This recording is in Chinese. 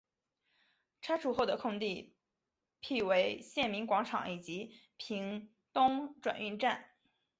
拆除后的空地辟为县民广场及屏东转运站。